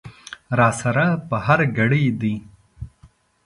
را سره په هر ګړي دي